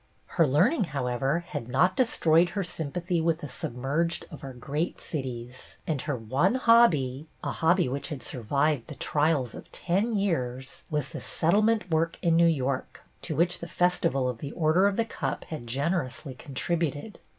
Her learning, however, had not destroyed her sympathy with tlie submerged of our great cities, and her one hobby — a hobby which had survived the trials of ten years — was the Settlement work in New York, to which the festival of the Order of The Cup had generously contributed.